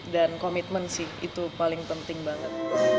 dan komitmen sih itu paling penting banget